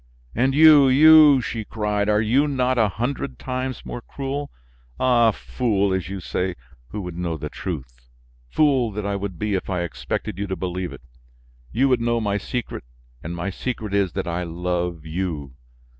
"And you, you," she cried, "are you not a hundred times more cruel? Ah! fool, as you say, who would know the truth! Fool that I would be if I expected you to believe it! You would know my secret, and my secret is that I love you.